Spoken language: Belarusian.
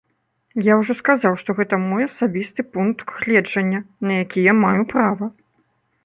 Я ўжо сказаў, што гэта мой асабісты пункт гледжання, на які я маю права.